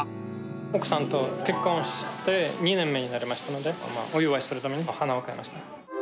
奥さんと結婚して２年目になりましたので、お祝いするために花を買いました。